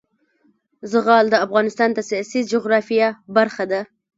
زغال د افغانستان د سیاسي جغرافیه برخه ده.